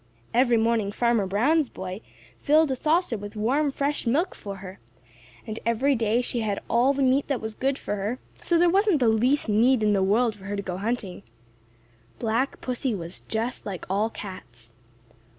Every morning Farmer Brown's boy filled a saucer with warm fresh milk for her, and every day she had all the meat that was good for her, so there wasn't the least need in the world for her to go hunting. Black Pussy was just like all cats.